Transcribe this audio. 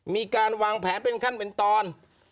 มีการวางแผนเป็นขั้นเป็นตอน